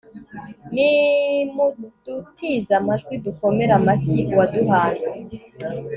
nimudutize amajwi, dukomere amashyi uwaduhanze